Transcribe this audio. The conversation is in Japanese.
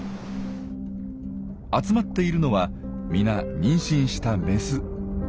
集まっているのは皆妊娠したメス。